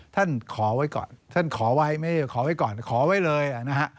ท่านขอไว้ก่อนท่านขอไว้ไม่ขอไว้ก่อนขอไว้เลยนะฮะ